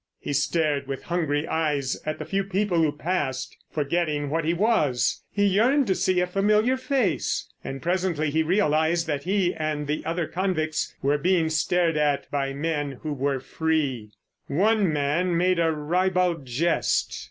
He stared with hungry eyes at the few people who passed. Forgetting what he was, he yearned to see a familiar face. And presently he realised that he and the other convicts were being stared at by men who were free. One man made a ribald jest.